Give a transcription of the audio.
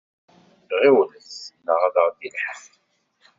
Ɣiwlet neɣ ad aɣ-d-yelḥeq!